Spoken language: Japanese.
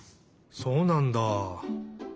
そうなんだ。